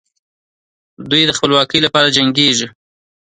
دوی د خپلواکۍ لپاره جنګېږي.